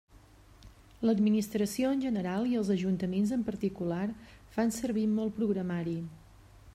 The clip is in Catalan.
L'administració en general i els ajuntaments en particular fan servir molt programari.